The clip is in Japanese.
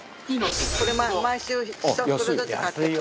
これ毎週１袋ずつ買っていく。